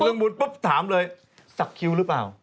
เมืองบุญปุ๊บถามเลยสักคิวหรือเปล่า